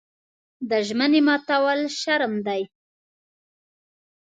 د ژمنې ماتول شرم دی.